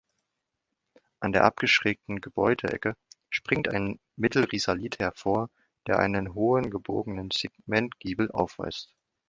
An der abgeschrägten Gebäudeecke springt ein Mittelrisalit hervor, der einen hohen gebogenen Segmentgiebel aufweist.